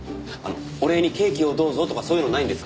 お礼にケーキをどうぞとかそういうのないんですか？